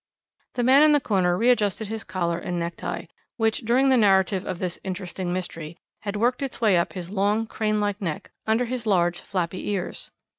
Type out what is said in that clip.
The man in the corner readjusted his collar and necktie, which, during the narrative of this interesting mystery, had worked its way up his long, crane like neck under his large flappy ears.